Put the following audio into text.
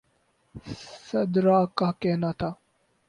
سدرا کا کہنا تھا